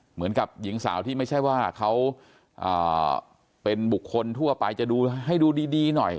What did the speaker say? เหมือนกับหญิงสาวที่ไม่ใช่ว่าเขาเป็นบุคคลทั่วไปจะดูให้ดูดีหน่อย